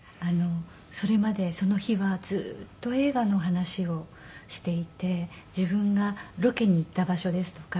それまでその日はずっと映画の話をしていて自分がロケに行った場所ですとか。